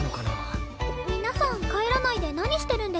皆さん帰らないで何してるんです？